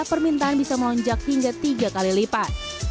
permintaan bisa melonjak hingga tiga kali lipat